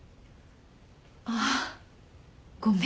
あっごめん。